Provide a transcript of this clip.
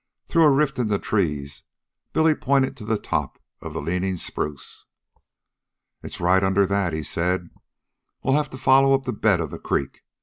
Through a rift in the trees Billy pointed to the top of the leaning spruce. "It's right under that," he said. "We'll have to follow up the bed of the creek.